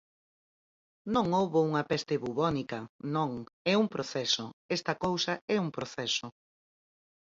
Non houbo unha peste bubónica, non, é un proceso, esta cousa é un proceso.